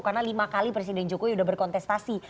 karena lima kali presiden jokowi sudah berkontestasi